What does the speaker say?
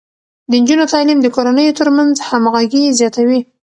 د نجونو تعليم د کورنيو ترمنځ همغږي زياتوي.